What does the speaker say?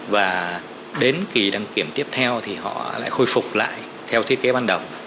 và đến kỳ đăng kiểm tiếp theo thì họ lại khôi phục lại theo thiết kế ban đầu